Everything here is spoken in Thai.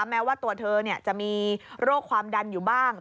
แม้ว่าตัวเธอจะมีโรคความดันอยู่บ้าง